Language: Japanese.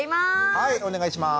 はいお願いします。